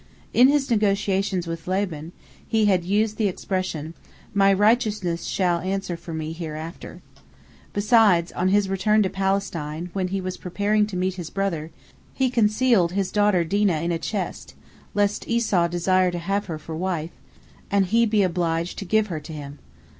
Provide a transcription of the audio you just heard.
In his negotiations with Laban, he had used the expression, "My righteousness shall answer for me hereafter." Besides, on his return to Palestine, when he was preparing to meet his brother, he concealed his daughter Dinah in a chest, lest Esau desire to have her for wife, and he be obliged to give her to him.